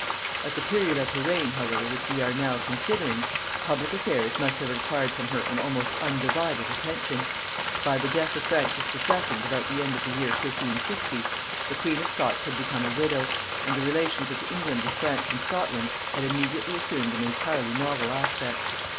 At the period of her reign however which we are now considering, public affairs must have required from her an almost undivided attention. By the death of Francis II. about the end of the year 1560, the queen of Scots had become a widow, and the relations of England with France and Scotland had immediately assumed an entirely novel aspect.